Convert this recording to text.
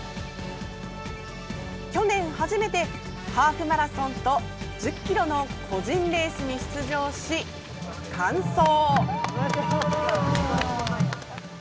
去年初めてハーフマラソンと１０ｋｍの個人レースに出場し完走！